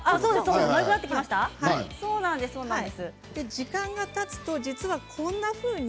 時間がたつとこんなふうに。